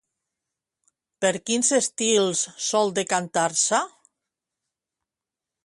Per quins estils sol decantar-se?